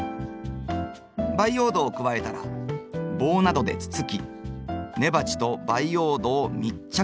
培養土を加えたら棒などでつつき根鉢と培養土を密着させましょう。